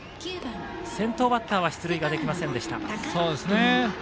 先頭バッターは出塁できませんでした。